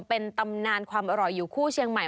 เป็นตำนานความอร่อยอยู่คู่เชียงใหม่